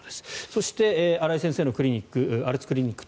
そして、新井先生のクリニックアルツクリニック